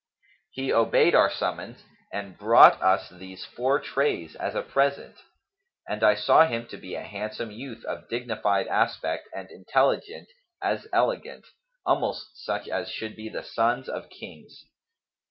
He obeyed our summons and brought us these four trays, as a present, and I saw him to be a handsome youth of dignified aspect and intelligent as elegant, almost such as should be the sons of Kings.